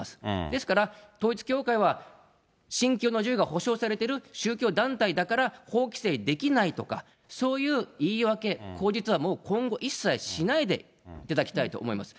ですから、統一教会は信教の自由が保障されてる宗教団体だから法規制できないとか、そういう言い訳、口実はもう今後一切しないでいただきたいと思います。